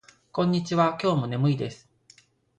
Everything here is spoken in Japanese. こんにちは。今日も眠いです。